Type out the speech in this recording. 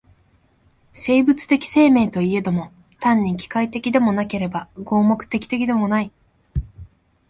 生物的生命といえども、単に機械的でもなければ合目的的でもない。